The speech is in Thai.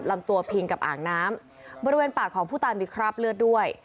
ลำตัวพิงกับอ่างน้ำบริเวณปากของผู้ตายมีคราบเลือดด้วย